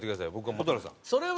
蛍原さん。